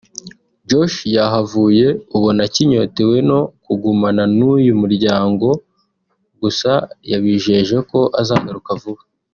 Josh yahavuye ubona akinyotewe no kugumana n’uyu muryango gusa yabijeje ko azagaruka vuba